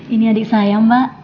ini adik saya mbak